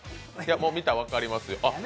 見たら、分かりますよ。